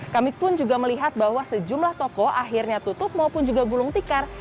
kami pun juga melihat bahwa sejumlah toko akhirnya tutup maupun juga gulung tikar